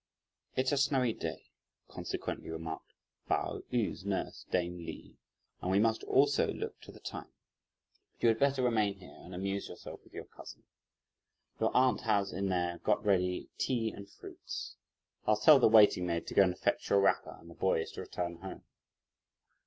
"It's a snowy day," consequently remarked Pao yü's nurse, dame Li, "and we must also look to the time, but you had better remain here and amuse yourself with your cousin. Your aunt has, in there, got ready tea and fruits. I'll tell the waiting maid to go and fetch your wrapper and the boys to return home."